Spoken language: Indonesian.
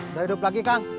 udah hidup lagi kang